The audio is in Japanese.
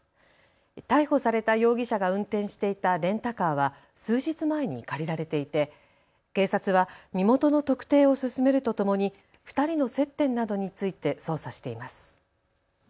逮捕された容疑者が運転していたレンタカーは数日前に借りられていて警察は身元の特定を進めるとともに２人の接点などについて捜査しています。